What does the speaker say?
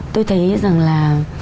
tôi thấy rằng là